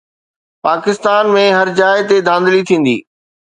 پاڪستان ۾ هر جاءِ تي ڌانڌلي ٿيندي